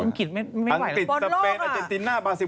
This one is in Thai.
อังกฤษสเปนอเจนตินน่าปาซิล